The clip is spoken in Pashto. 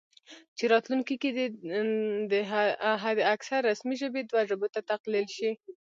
چې راتلونکي کې دې حد اکثر رسمي ژبې دوه ژبو ته تقلیل شي